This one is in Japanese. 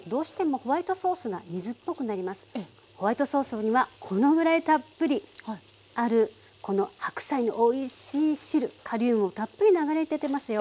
ホワイトソースにはこのぐらいたっぷりあるこの白菜のおいしい汁カリウムもたっぷり流れ出てますよ。